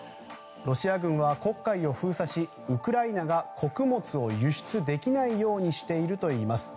ロシア軍は黒海を封鎖しウクライナが穀物を輸出できないようにしているといいます。